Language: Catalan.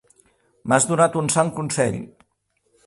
M'has donat un sant consell.